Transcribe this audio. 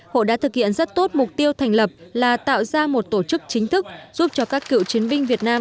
hội đã thực hiện rất tốt mục tiêu thành lập là tạo ra một tổ chức chính thức giúp cho các cựu chiến binh việt nam